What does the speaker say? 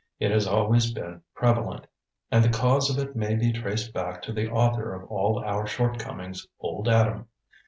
It has always been prevalent. And the cause of it may be traced back to the author of all our short comings, old Adam.